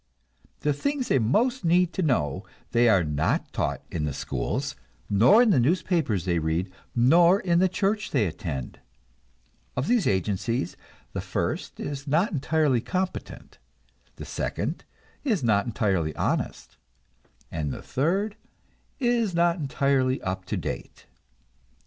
The things they most need to know they are not taught in the schools, nor in the newspapers they read, nor in the church they attend. Of these agencies, the first is not entirely competent, the second is not entirely honest, and the third is not entirely up to date.